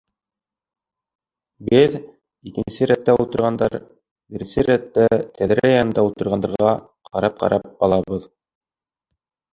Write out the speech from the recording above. Беҙ, икенсе рәттә ултырғандар, беренсе рәттә, тәҙрә янында ултырғандарға ҡарап-ҡарап алабыҙ.